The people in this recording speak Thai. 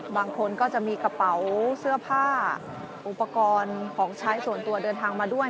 บางคนก็จะมีกระเป๋าเสื้อผ้าอุปกรณ์ของใช้ส่วนตัวเดินทางมาด้วย